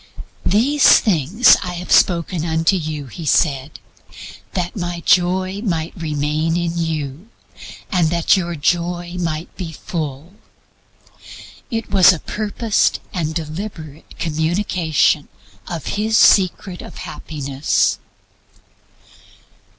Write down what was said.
"These things have I spoken unto you," He said, "that My Joy might remain in you, and that your Joy might be full." It was a purposed and deliberate communication of His SECRET OF HAPPINESS.